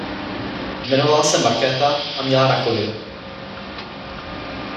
Jmenovala se Markéta a měla rakovinu.